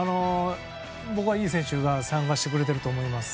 僕はいい選手が参加してくれてると思います。